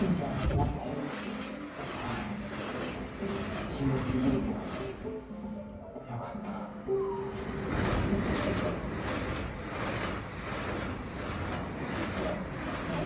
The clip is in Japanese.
仲よくてはいキモすぎるけどよかったよっとなあうん？